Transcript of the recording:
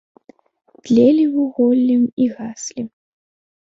Тлелі вуголлем і гаслі.